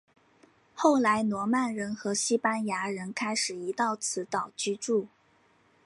后来诺曼人和西班牙人开始移到此岛居住。